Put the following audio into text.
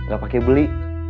gak pake beli